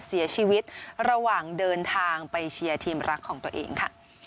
เสียชีวิตระหว่างเดินทางไปเชียร์ทีมรักของตัวเองค่ะ